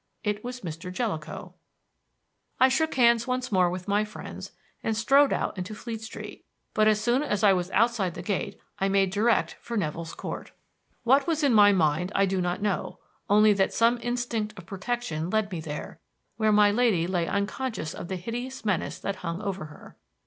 It was Mr. Jellicoe. I shook hands once more with my friends and strode out into Fleet Street, but as soon as I was outside the gate I made direct for Nevill's Court. What was in my mind I do not know; only that some instinct of protection led me there, where my lady lay unconscious of the hideous menace that hung over her.